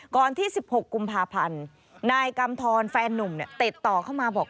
ที่๑๖กุมภาพันธ์นายกำทรแฟนนุ่มติดต่อเข้ามาบอก